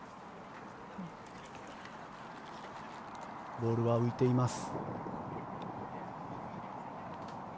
ボールは浮いています。